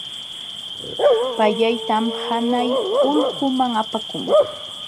Payllaytam hanay ulquman apakun.